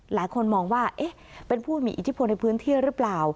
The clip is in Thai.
หลายคนมองว่าเป็นผู้มีอิทธิพลในพื้นที่หรือเปล่า